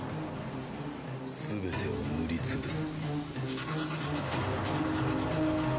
すべてを塗り潰す。